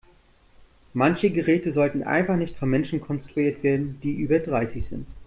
Manche Geräte sollten einfach nicht von Menschen konstruiert werden, die über dreißig sind.